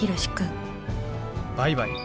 バイバイ？